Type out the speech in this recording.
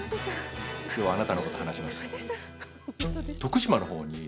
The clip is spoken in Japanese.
きょうは、あなたのこと話します。